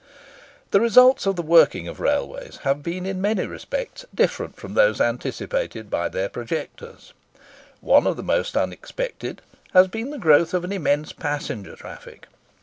The results of the working of railways have been in many respects different from those anticipated by their projectors. One of the most unexpected has been the growth of an immense passenger traffic.